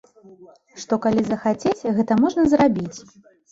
Што калі захацець, гэта можна зрабіць.